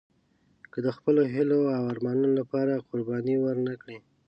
که د خپلو هیلو او ارمانونو لپاره قرباني ورنه کړئ.